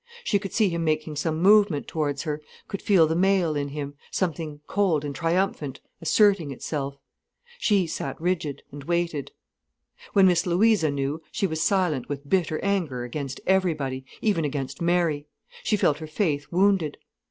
She could see him making some movement towards her, could feel the male in him, something cold and triumphant, asserting itself. She sat rigid, and waited. When Miss Louisa knew, she was silent with bitter anger against everybody, even against Mary. She felt her faith wounded.